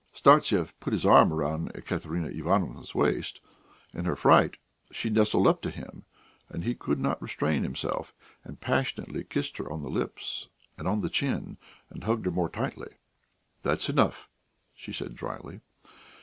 Startsev put his arm round Ekaterina Ivanovna's waist; in her fright she nestled up to him, and he could not restrain himself, and passionately kissed her on the lips and on the chin, and hugged her more tightly. "That's enough," she said drily.